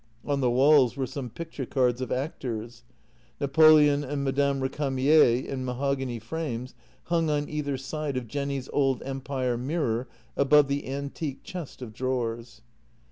On the walls were some picture cards of actors; Napoleon and Madame Récamier in mahogany frames hung on either side of Jenny's old empire mirror above the antique chest of drawers.